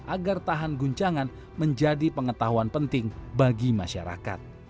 agar tahan guncangan menjadi pengetahuan penting bagi masyarakat